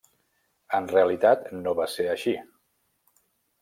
En realitat no va ser així.